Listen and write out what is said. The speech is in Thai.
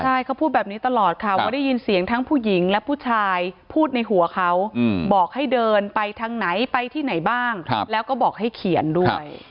ใช่เขาพูดแบบนี้ตลอดค่ะว่าได้ยินเสียงทั้งผู้หญิงและผู้ชายพูดในหัวเขาบอกให้เดินไปทางไหนไปที่ไหนบ้างแล้วก็บอกให้เขียนด้วย